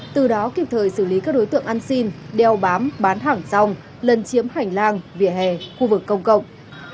từ đó kịp thời xử lý các đối tượng ăn xin đeo bám bán hàng rong lấn chiếm hành lang vỉa hè khu vực công cộng